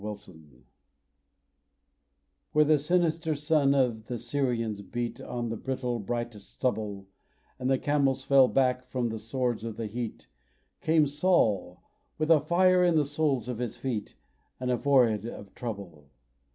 To Damascus Where the sinister sun of the Syrians beat On the brittle, bright stubble, And the camels fell back from the swords of the heat, Came Saul, with a fire in the soles of his feet, And a forehead of trouble.